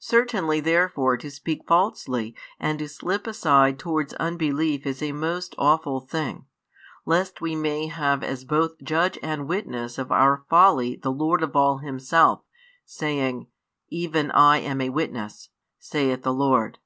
Certainly therefore to speak falsely and to slip aside towards unbelief is a most aweful thing; lest we may have as both Judge and Witness of our folly the Lord of all Himself, saying: Even I am a Witness, saith the Lord.